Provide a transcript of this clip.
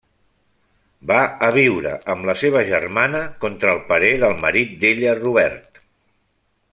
Va a viure amb la seva germana, contra el parer del marit d'ella, Robert.